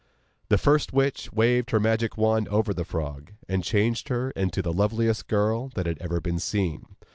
The first witch waved her magic wand over the frog, and changed her into the loveliest girl that had ever been seen.